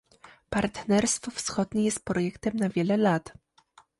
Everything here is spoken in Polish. Partnerstwo wschodnie jest projektem na wiele lat